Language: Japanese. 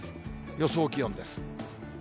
予想気温です。